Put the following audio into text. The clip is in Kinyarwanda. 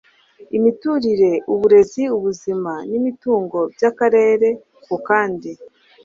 imiturire uburezi ubuzima n imitungo by akarere ku kandi